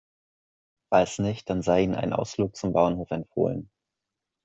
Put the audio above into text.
Falls nicht, dann sei Ihnen ein Ausflug zum Bauernhof empfohlen.